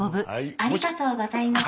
「ありがとうございます」。